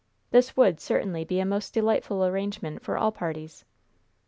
This would certainly be a most delightful arrangement for all parties.